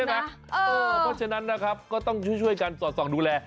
เพราะฉะนั้นนะครับก็ต้องช่วยกันสอดส่องดูแล